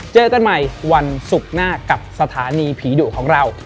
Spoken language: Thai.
เจอกันใหม่วันศุกร์หน้ากับสถานีผีดุของเรา